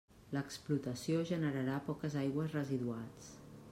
L'explotació generarà poques aigües residuals.